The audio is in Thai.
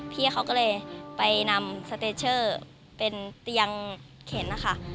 พี่เขาก็เลยไปนำสติบโชคเป็นเตียงเข็น